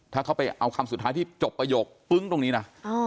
ถ้าเขาไปเอาคำสุดท้ายที่จบประโยคปึ้งตรงนี้นะ